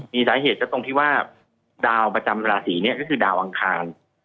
มีสาเหตุก็ตรงที่ว่าดาวประจำราศีเนี่ยก็คือดาวอังคาร